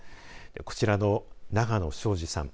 こちらの永野将司さん